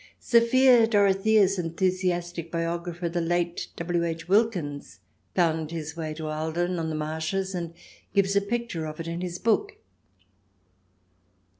Sophia Dorothea's enthusiastic biographer, the late W. H. Wilkins, found his way to Ahlden on the marshes and gives a picture of it in his book.